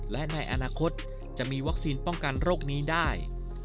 และในอนาคตจะมีวัคซีนป้องกันโรคนี้ได้